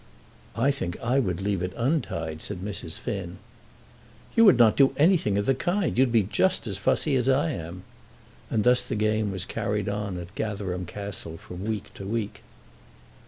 "I think I would leave it untied," said Mrs. Finn. "You would not do anything of the kind. You'd be just as fussy as I am." And thus the game was carried on at Gatherum Castle from week to week.